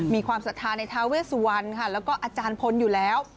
ศรัทธาในทาเวสวันค่ะแล้วก็อาจารย์พลอยู่แล้ว